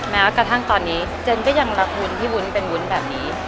แม้กระทั่งตอนนี้เจนก็ยังรักวุ้นพี่วุ้นเป็นวุ้นแบบนี้